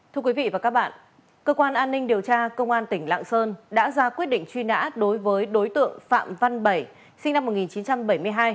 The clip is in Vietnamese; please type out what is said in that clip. thưa quý vị và các bạn cơ quan an ninh điều tra công an tỉnh lạng sơn đã ra quyết định truy nã đối với đối tượng phạm văn bảy sinh năm một nghìn chín trăm bảy mươi hai